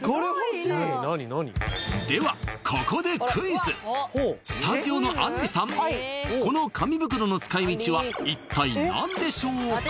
すごいいいのではここでクイズスタジオのあんりさんこの紙袋の使い道は一体何でしょうか？